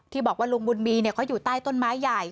บอกว่าลุงบุญมีเขาอยู่ใต้ต้นไม้ใหญ่